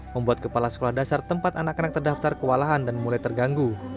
membuat kepala sekolah dasar tempat anak anak terdaftar kewalahan dan mulai terganggu